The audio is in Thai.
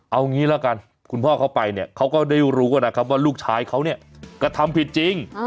เอางี้ละกันคุณพ่อเขาไปเนี่ยเขาก็ได้รู้กันนะครับว่าลูกชายเขาเนี่ยกระทำผิดจริง